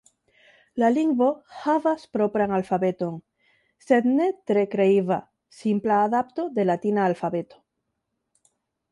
La lingvo havas propran alfabeton, sed ne tre kreiva, simpla adapto de latina alfabeto.